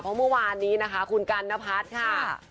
ของเมื่อวานนี้คุณกรรณพัฒน์นะพัฒ